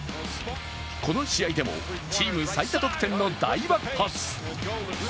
この試合でもチーム最多得点の大爆発。